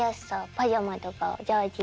パジャマとかジャージ。